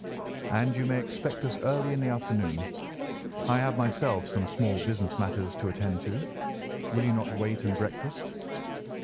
"And you may expect us early in the afternoon. I have myself some small business matters to attend to. Will you not wait and breakfast?"